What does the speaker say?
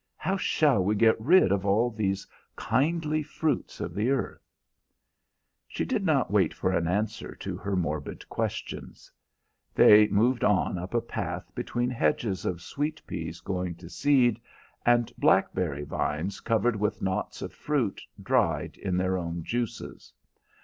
How shall we get rid of all these kindly fruits of the earth?" She did not wait for an answer to her morbid questions. They moved on up a path between hedges of sweet peas going to seed, and blackberry vines covered with knots of fruit dried in their own juices.